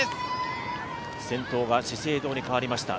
先頭が資生堂に変わりました。